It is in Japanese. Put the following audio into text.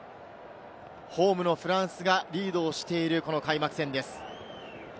ホームのフランスがリードをしているこの開幕戦です。